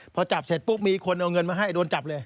พอจับเสร็จปุ๊บมีคนเอาเงินมาให้โดนจับเลย